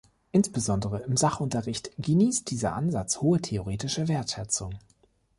Insbesondere im Sachunterricht genießt dieser Ansatz hohe theoretische Wertschätzung.